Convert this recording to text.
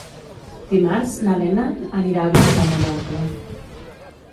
Dimarts na Lena anirà a visitar mon oncle.